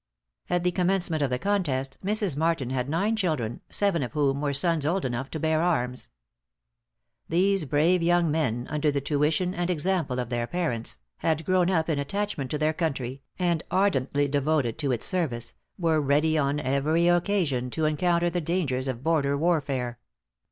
At the commencement of the contest, Mrs. Martin had nine children, seven of whom were sons old enough to bear arms. These brave young men, under the tuition and example of their parents, had grown up in attachment to their country, and ardently devoted to its service, were ready on every occasion to encounter the dangers of border warfare.